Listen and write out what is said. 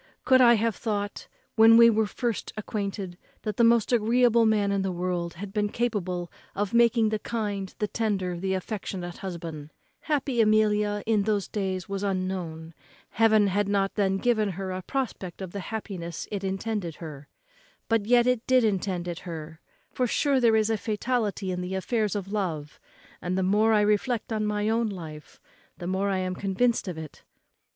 could I have thought, when we were first acquainted, that the most agreeable man in the world had been capable of making the kind, the tender, the affectionate husband happy Amelia, in those days, was unknown; Heaven had not then given her a prospect of the happiness it intended her; but yet it did intend it her; for sure there is a fatality in the affairs of love; and the more I reflect on my own life, the more I am convinced of it.